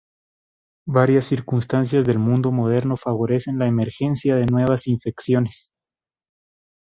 Varias circunstancias del mundo moderno favorecen la emergencia de nuevas infecciones.